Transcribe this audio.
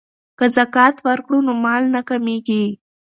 که زکات ورکړو نو مال نه کمیږي.